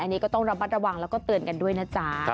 อันนี้ก็ต้องระมัดระวังแล้วก็เตือนกันด้วยนะจ๊ะ